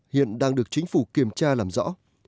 hiện đang được chính phủ kiểm tra làm rõ